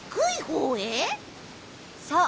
そう。